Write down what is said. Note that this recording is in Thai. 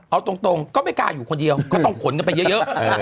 เอาตรงก็ไม่กล้าอยู่คนเดียวก็ต้องขนกันไปเยอะ